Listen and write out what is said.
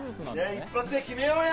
一発で決めようや！